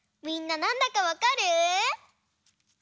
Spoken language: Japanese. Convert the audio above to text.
みんななんだかわかる？